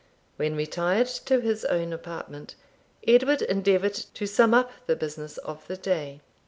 When retired to his own apartment, Edward endeavoured to sum up the business of the day.